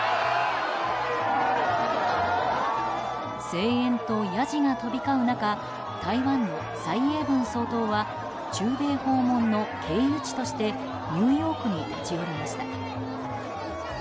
声援とやじが飛び交う中台湾の蔡英文総統は中米訪問の経由地としてニューヨークに立ち寄りました。